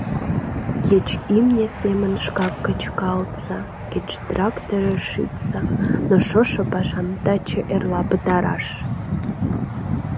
— Кеч имне семын шкак кычкалтса, кеч тракторыш шичса, но шошо пашам таче-эрла пытараш!